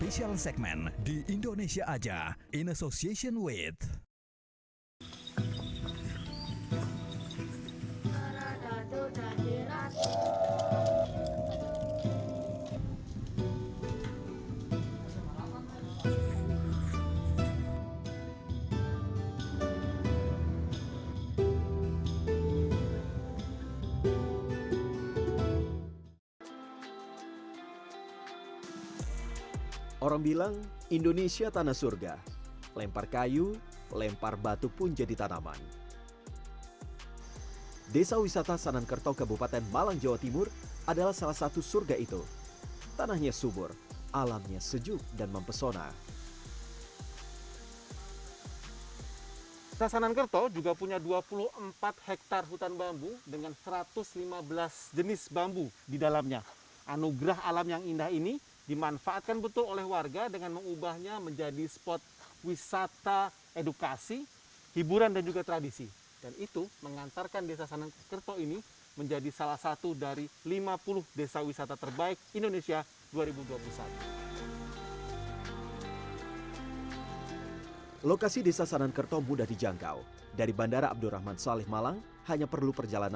sampai jumpa di video selanjutnya